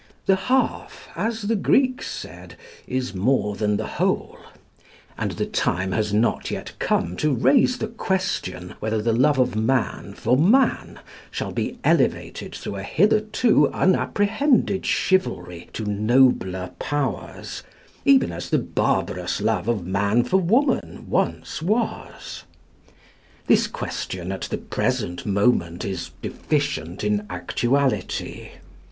The half, as the Greeks said, is more than the whole; and the time has not yet come to raise the question whether the love of man for man shall be elevated through a hitherto unapprehended chivalry to nobler powers, even as the barbarous love of man for woman once was. This question at the present moment is deficient in actuality.